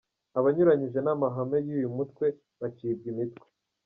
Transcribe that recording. Abanyuranyije n'amahame y'uyu mutwe bacibwa imitwe.